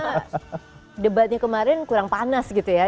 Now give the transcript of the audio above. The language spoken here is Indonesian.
karena debatnya kemarin kurang panas gitu ya